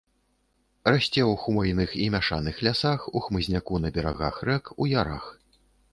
Расце ў хвойных і мяшаных лясах, у хмызняку на берагах рэк, у ярах.